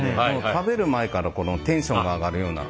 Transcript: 食べる前からテンションが上がるような。